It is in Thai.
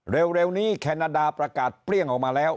เร็วนี้แคนาดาประกาศเปรี้ยงออกมาแล้ว